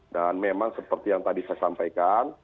dan memang seperti yang tadi saya sampaikan